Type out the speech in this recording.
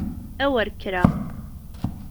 A wer kkreɣ!